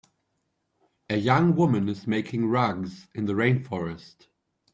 A young woman is making rugs in the rain forest